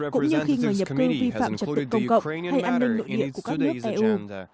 cũng như khi người nhập cư vi phạm trật tự công cộng hay an ninh nội địa của các nước eu